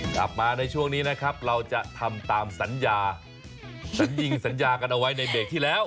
กลับมาในช่วงนี้นะครับเราจะทำตามสัญญาสัญญิงสัญญากันเอาไว้ในเบรกที่แล้ว